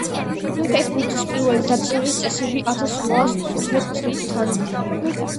ფეხბურთის პირველი დაწერილი წესები ათას რვაას თხუტმეტ წლით თარიღდება.